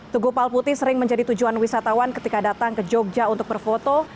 tugu palputi sering menjadi tujuan wisatawan ketika datang ke jogja untuk berfoto